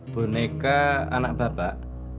boneka anak bapak